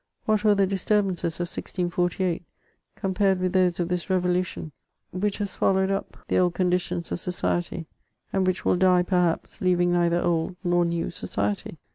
What were the disturbances of 1648 compared with those of this Revolution, which has swallowed up the old conditions of society, and which will die, perhaps, leaving neither old nor new society